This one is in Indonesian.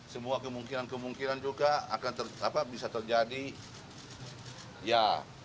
semua kemungkinan kemungkinan juga akan bisa terjadi ya